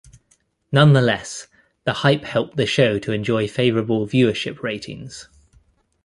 Nonetheless, the hype helped the show to enjoy favourable viewership ratings.